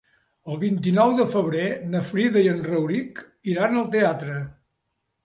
El vint-i-nou de febrer na Frida i en Rauric iran al teatre.